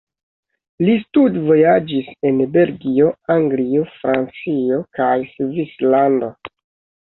Li studvojaĝis en Belgio, Anglio, Francio kaj Svislando.